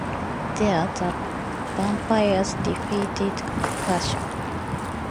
There, the vampires defeated Akasha.